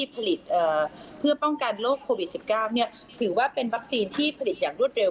ผลิตเพื่อป้องกันโรคโควิด๑๙ถือว่าเป็นวัคซีนที่ผลิตอย่างรวดเร็